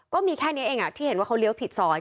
ก็มีแค่นี้เองที่เห็นว่าเขาเลี้ยวผิดซอย